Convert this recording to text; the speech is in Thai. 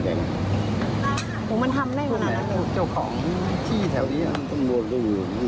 ตำรวจรู้อยู่